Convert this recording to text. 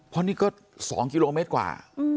เพราะนี่ก็๒กิโลเมตรกว่า